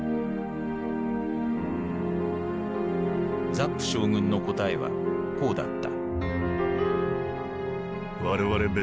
ザップ将軍の答えはこうだった。